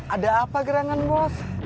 ada apa gerangan bos